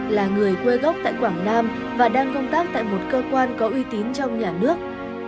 là người quê gốc tại quảng nam và đang công tác tại một cơ quan có uy tín trong nhà nước